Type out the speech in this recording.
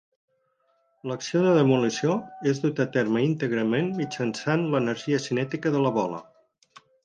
L'acció de demolició és duta a terme íntegrament mitjançant l'energia cinètica de la bola.